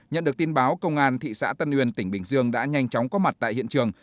nhận được tin báo công an thị xã tân uyên tỉnh bình dương đã nhanh chóng có mặt tại hiện trường